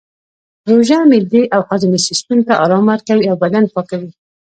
روژه معدې او هاضمې سیستم ته ارام ورکوي او بدن پاکوي